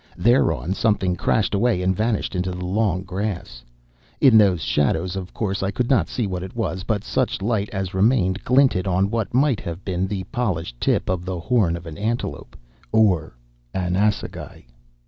Thereon something crashed away and vanished into the long grass. In those shadows, of course, I could not see what it was, but such light as remained glinted on what might have been the polished tip of the horn of an antelope or—an assegai.